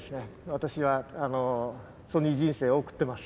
私はソニー人生を送ってます。